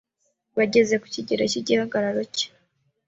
bageze ku kigero cy’igihagararo cye,